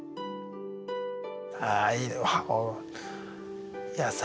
あいいね。